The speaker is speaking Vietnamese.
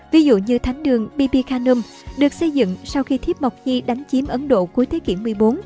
ví dụ như thánh đường bp khanum được xây dựng sau khi thiếp mộc nhi đánh chiếm ấn độ cuối thế kỷ một mươi bốn